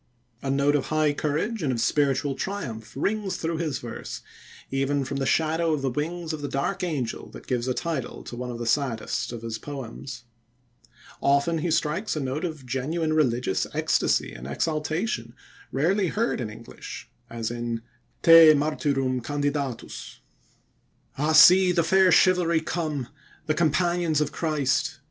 A note of high courage and of spiritual triumph rings through his verse, even from the shadow of the wings of the dark angel that gives a title to one of the saddest of his poems. Often he strikes a note of genuine religious ecstasy and exaltation rarely heard in English, as in "Te Martyrum Candidatus": Ah, see the fair chivalry come, the companions of Christ!